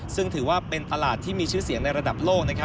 ซึ่งถือว่าเป็นตลาดที่มีชื่อเสียงในระดับโลก